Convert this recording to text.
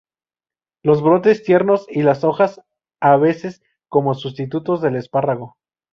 Los brotes tiernos y las hojas a veces como sustitutos del espárrago.